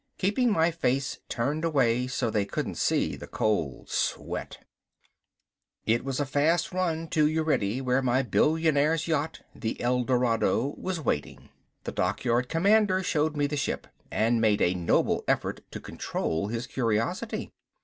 Keeping my face turned away so they couldn't see the cold sweat. It was a fast run to Udrydde where my billionaire's yacht, the Eldorado, was waiting. The dockyard commander showed me the ship, and made a noble effort to control his curiosity.